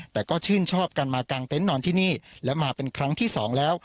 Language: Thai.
แต่ก็ชื่นชอบกันมากางเต็นต์นอนที่นี่และมาเป็นครั้งที่สองแล้ว